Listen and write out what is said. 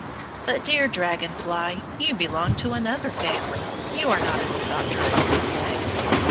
But, dear dragon fly, you belong to another family. You are not an orthopterous insect.